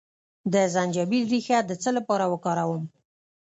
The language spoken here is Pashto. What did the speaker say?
د زنجبیل ریښه د څه لپاره وکاروم؟